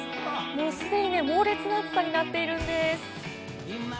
もう既に猛烈な暑さになっているんです。